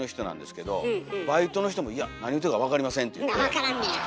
分からんねや。